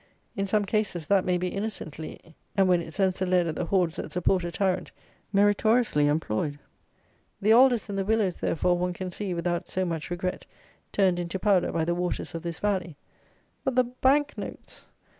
In some cases that may be innocently, and, when it sends the lead at the hordes that support a tyrant, meritoriously employed. The alders and the willows, therefore, one can see, without so much regret, turned into powder by the waters of this valley; but, the Bank notes!